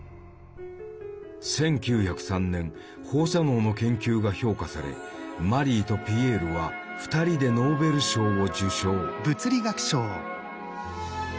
１９０３年放射能の研究が評価されマリーとピエールは２人でノーベル賞を受賞。